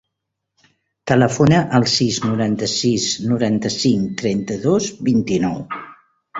Telefona al sis, noranta-sis, noranta-cinc, trenta-dos, vint-i-nou.